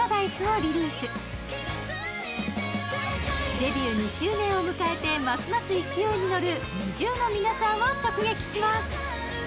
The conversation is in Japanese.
デビュー２周年を迎えてますます勢いに乗る、ＮｉｚｉＵの皆さんを直撃します！